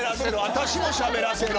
私もしゃべらせろ。